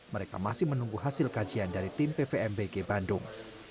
mereka masih menunggu hasil kajian dari tim pvmbg bandung